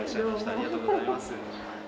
ありがとうございます。